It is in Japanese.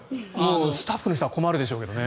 スタッフの人は困るでしょうね。